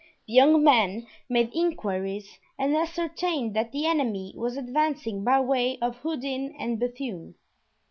The young men made inquiries and ascertained that the enemy was advancing by way of Houdin and Bethune.